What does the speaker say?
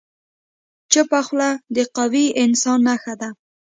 چپه خوله، د قوي انسان نښه ده.